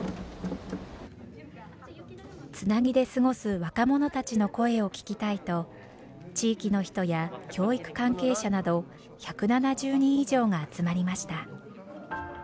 つなぎで過ごす若者たちの声を聞きたいと地域の人や教育関係者など１７０人以上が集まりました。